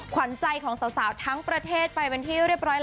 ขวัญใจของสาวทั้งประเทศไปเป็นที่เรียบร้อย